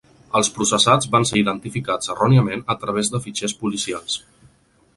Els processats van ser identificats erròniament a través de fitxers policials.